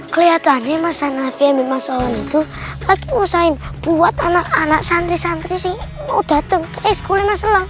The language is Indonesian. keliatannya mas anafi yang ambil mas awan itu lagi usahain buat anak anak santri santri yang mau dateng ke ekskulnya mas alam